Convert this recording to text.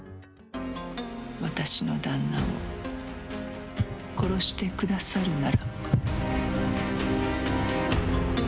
私の旦那を殺してくださるなら。